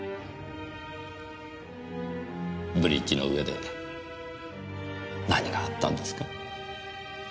ブリッジの上で何があったんですか？